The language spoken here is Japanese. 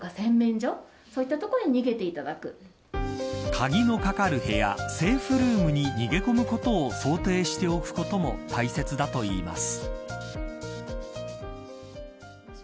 鍵のかかる部屋セーフルームに逃げ込むことを想定しておくことも大切だといいます。